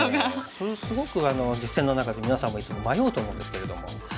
それすごく実戦の中で皆さんもいつも迷うと思うんですけれども。